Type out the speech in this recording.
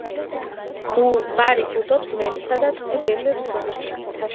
ბარი ბუდობს ველისა და ტყე-ველის ზონაში, მთაში.